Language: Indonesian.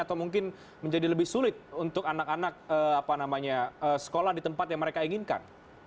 atau mungkin menjadi lebih sulit untuk anak anak sekolah di tempat yang mereka inginkan